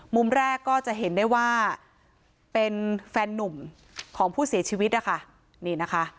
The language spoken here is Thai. มุมแรกก็จะเห็นได้ว่าเป็นแฟนนุ่มของผู้เสียชีวิตนะคะนี่นะคะ